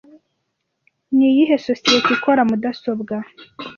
Ni iyihe sosiyete ikora mudasobwa